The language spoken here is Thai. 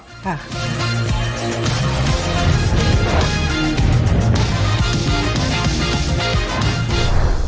ค่ะ